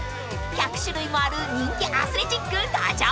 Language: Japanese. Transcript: ［１００種類もある人気アスレチック登場］